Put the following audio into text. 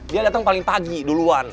dia datang paling pagi duluan